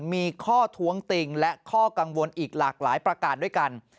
มีข้อท้วงติงและข้อกังวลอีกหลากหลายประการด้วยกัน